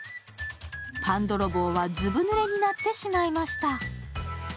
パンどろぼうは、ずぶぬれになってしまいました。